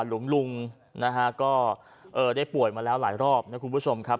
ลุงนะฮะก็ได้ป่วยมาแล้วหลายรอบนะคุณผู้ชมครับ